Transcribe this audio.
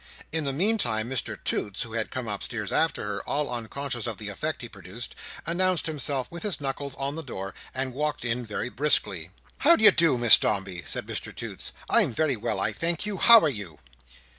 In the meantime Mr Toots, who had come upstairs after her, all unconscious of the effect he produced, announced himself with his knuckles on the door, and walked in very briskly. "How d'ye do, Miss Dombey?" said Mr Toots. "I'm very well, I thank you; how are you?"